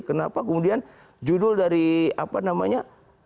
kenapa kemudian judul dari apa namanya